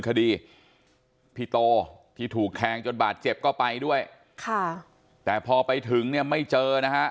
คดีพี่โตที่ถูกแทงจนบาดเจ็บก็ไปด้วยค่ะแต่พอไปถึงเนี่ยไม่เจอนะฮะ